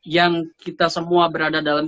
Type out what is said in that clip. yang kita semua berada dalam